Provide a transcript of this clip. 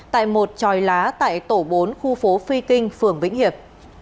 tại một tròi lá tại tổ bốn khu phố phi kinh phường vĩnh hiệp